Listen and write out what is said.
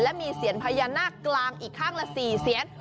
และมีเสียญพญานาคกลางอีกข้างละ๔เสียน